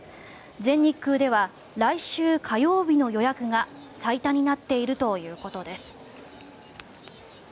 全日空では来週火曜日の予約が最多になっているということです。